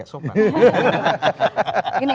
kepala kerajaan kita